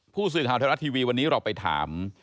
ผู้สื่อข่าวไทยรัฐทีวีวันนี้เราไปถาม